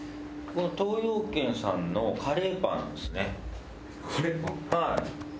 東洋軒さんのカレーパンですね。